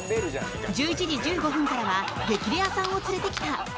１１時１５分からは「激レアさんを連れてきた。」。